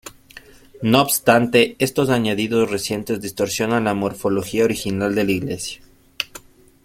No obstante, estos añadidos recientes distorsionan la morfología original de la iglesia.